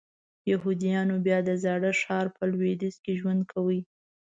یهودیان بیا د زاړه ښار په لویدیځ کې ژوند کوي.